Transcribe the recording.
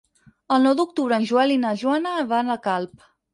El nou d'octubre en Joel i na Joana van a Calp.